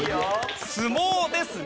相撲ですが。